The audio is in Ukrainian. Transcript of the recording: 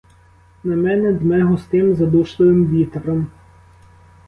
На мене дме густим, задушливим вітром.